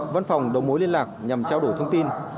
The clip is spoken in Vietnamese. văn phòng đồng mối liên lạc nhằm trao đổi thông tin